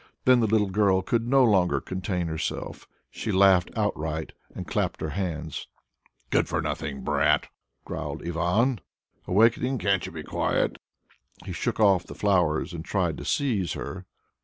Then the little girl could no longer contain herself; she laughed outright and clapped her hands. "Good for nothing brat!" growled Ivan, awaking. "Can't you be quiet?" He shook off the flowers and tried to seize her.